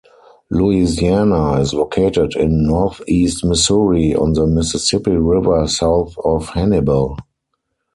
Louisiana is located in northeast Missouri, on the Mississippi River south of Hannibal.